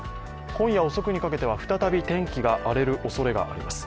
今夜遅くにかけては再び天気が荒れるおそれがあります。